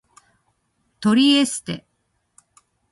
トリエステ